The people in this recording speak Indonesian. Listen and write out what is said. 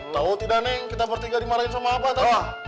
tahu tidak neng kita bertiga dimarahin sama apa tau